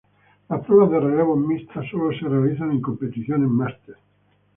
Las pruebas de relevos mixtas solo se realizan en competiciones Máster.